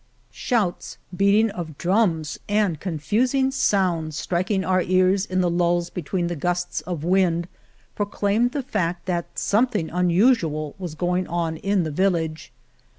Shouts, beating of drums, and confusing sounds, striking our ears in the lulls between the gusts of wind, proclaimed the fact that something unusual was going on in the vil lage.